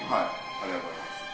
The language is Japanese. ありがとうございます。